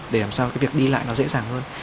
để làm sao cái việc đi lại nó dễ dàng hơn